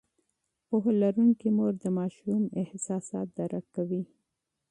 پوهه لرونکې مور د ماشوم احساسات درک کوي.